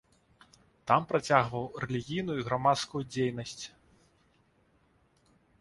Там працягваў рэлігійную і грамадскую дзейнасць.